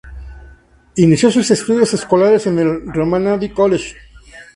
Inicio sus estudios escolares en el "Raimondi College".